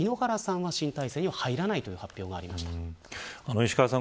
石川さん